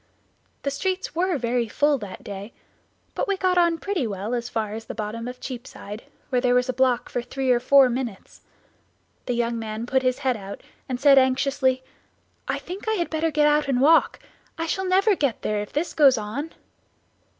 The streets were very full that day, but we got on pretty well as far as the bottom of Cheapside, where there was a block for three or four minutes. The young man put his head out and said anxiously, "I think I had better get out and walk; I shall never get there if this goes on."